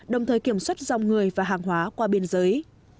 đồng thời kiểm soát dòng người và hàng hóa qua biên giới